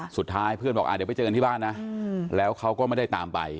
สุดท้ายเพื่อนบอกเดี๋ยวไปเจอกันที่บ้านนะแล้วเขาก็ไม่ได้ตามไป